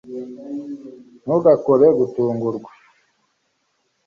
ntugakore gutungurwa